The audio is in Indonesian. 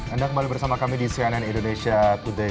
anda kembali bersama kami di cnn indonesia today